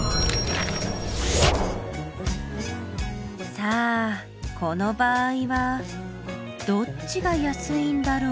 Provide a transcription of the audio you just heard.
さあこの場合はどっちが安いんだろう？